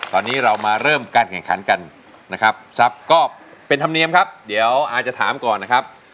ตอนนี้เรามาเริ่มการแข่งขันกันนะครับทรัพย์ก็เป็นธรรมเนียมครับเดี๋ยวอายจะถามก่อนนะครับ